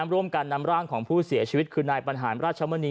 ร่วมกันนำร่างของผู้เสียชีวิตคือนายบรรหารราชมณี